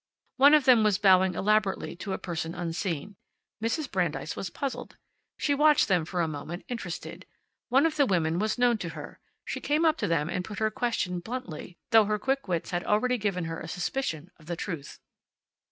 One of them was bowing elaborately to a person unseen. Mrs. Brandeis was puzzled. She watched them for a moment, interested. One of the women was known to her. She came up to them and put her question, bluntly, though her quick wits had already given her a suspicion of the truth.